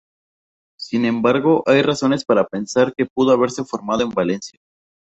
Sin embargo hay razones para pensar que pudo haberse formado en Valencia.